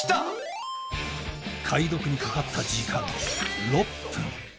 「解読にかかった時間６分」